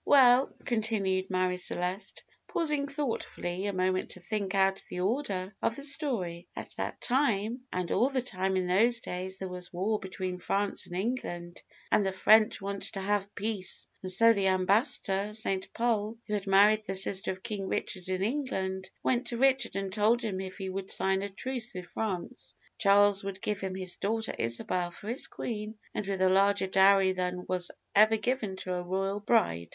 "Well," continued Marie Celeste, pausing thoughtfully a moment to think out the order of the story, "at that time and all the time in those days there was war between France and England, and the French wanted to have peace; and so the ambassador, St. Pol, who had married the sister of King Richard in England, went to Richard and told him if he would sign a truce with France Charles would give him his daughter Isabel for his queen, and with a larger dowry than was ever given to a royal bride."